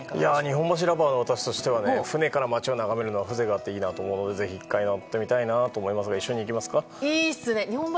日本橋ラバーの私としては船から街を眺めるのは風情があっていいなと思うのでぜひ１回乗ってみたいと思いますがいいですね。